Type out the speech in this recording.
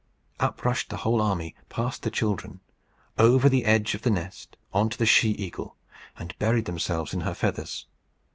Up rushed the whole army, past the children, over the edge of the nest, on to the she eagle, and buried themselves in her feathers.